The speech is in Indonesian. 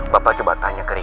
bapak coba tanya ke ibu